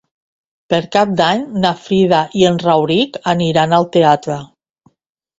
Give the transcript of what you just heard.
Per Cap d'Any na Frida i en Rauric aniran al teatre.